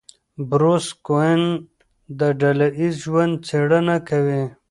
بروس کوئن د ډله ایز ژوند څېړنه کوي.